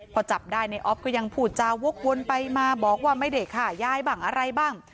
พอจับได้ในออฟก็ยังพูดจาวกวนไปมาบอกว่าไม่ได้ฆ่ายายบ้างอะไรบ้าง